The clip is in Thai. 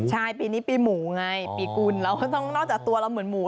ใช่ปีนี้ปีหมูไงปีกุลเราก็ต้องนอกจากตัวเราเหมือนหมู